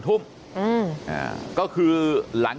หกสิบล้าน